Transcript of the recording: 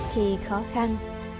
khi khó khăn